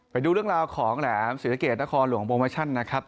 ไปดูเรื่องราวของแหลมศรีสะเกดนครหลวงโปรโมชั่นนะครับ